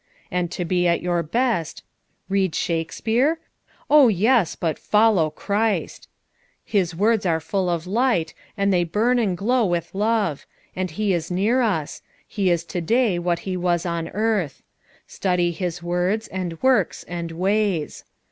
And to be at your best — Read Shakespeare? Oh, yes, but FOLLOW Christ His words are full of light, and they burn and glow with love; and he is near us! he is to day what he was on earth. Study his words and works, and ways.